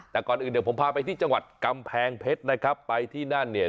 แต่ก่อนอื่นเดี๋ยวผมพาไปที่จังหวัดกำแพงเพชรนะครับไปที่นั่นเนี่ย